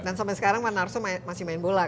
dan sampai sekarang man arso masih main bola